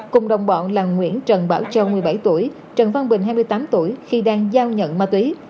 cùng đồng bọn là nguyễn trần bảo châu một mươi bảy tuổi trần văn bình hai mươi tám tuổi khi đang giao nhận ma túy